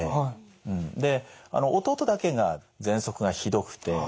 で弟だけがぜんそくがひどくて。